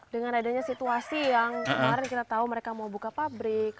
dengan adanya situasi yang kemarin kita tahu mereka mau buka pabrik